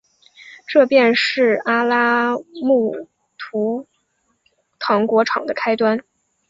这便是阿拉木图糖果厂的开端。